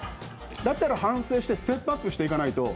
だったら反省してステップアップしていかないと。